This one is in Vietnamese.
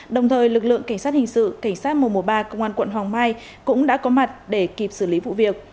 đồng thời lực lượng cảnh sát hình sự cảnh sát mùa mùa ba công an quận hoàng mai cũng đã có mặt để kịp xử lý vụ việc